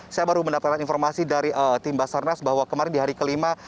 saya baru mendapatkan informasi dari tim basarnas bahwa kemarin di hari kelima